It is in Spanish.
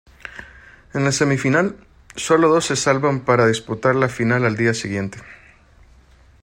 En la semifinal solo dos se salvan para disputar la final al día siguiente.